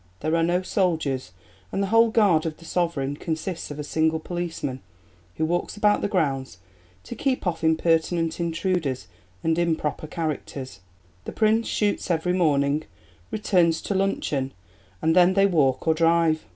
... There are no soldiers, and the whole guard of the Sovereign consists of a single policeman, who walks about the grounds to keep off impertinent intruders and improper characters. ... The Prince shoots every morning, returns to luncheon, and then they walk or drive.